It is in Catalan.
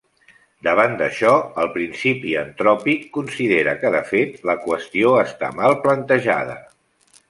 Davant d'això el principi antròpic considera que de fet, la qüestió està mal plantejada.